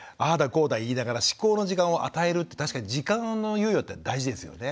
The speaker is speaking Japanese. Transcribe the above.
こうだ言いながら思考の時間を与えるって確かに時間の猶予って大事ですよね。